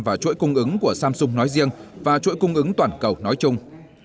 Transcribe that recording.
và chuỗi cung ứng của samsung nói riêng và chuỗi cung ứng toàn cầu nói chung